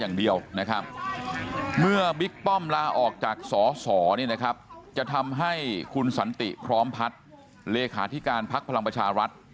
อย่างเดียวนะครับเมื่อบิ๊กป้อมลาออกจากสสเนี่ยนะครับจะทำให้คุณสันติพร้อมพัฒน์เลขาธิการพักพลังประชารัฐ